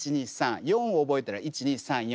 ４覚えたら１２３４。